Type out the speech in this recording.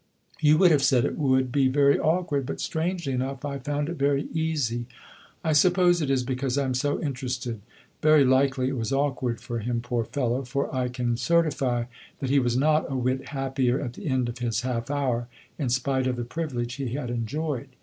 You would have said it would be very awkward; but, strangely enough, I found it very easy. I suppose it is because I am so interested. Very likely it was awkward for him, poor fellow, for I can certify that he was not a whit happier at the end of his half hour, in spite of the privilege he had enjoyed.